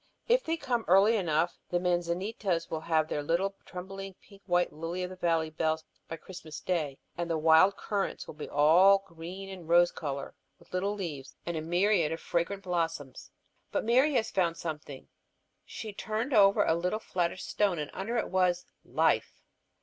If they come early enough the manzanitas will have on their little trembling pink white lily of the valley bells by Christmas day, and the wild currants will be all green and rose color, with little leaves and a myriad fragrant blossoms. But Mary has found something. She had turned over a little flattish stone and under it was life!